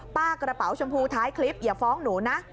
กระเป๋าชมพูท้ายคลิปอย่าฟ้องหนูนะ